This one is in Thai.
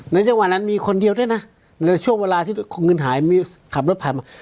จังหวะนั้นมีคนเดียวด้วยนะในช่วงเวลาที่เงินหายมีขับรถผ่านมา